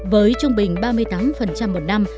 với trung bình ba mươi tám một năm